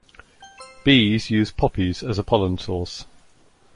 Bees use poppies as a pollen source.